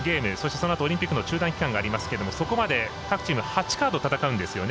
そのあとオリンピックの中断期間がありますけどそこまで各チーム８カード戦うんですよね。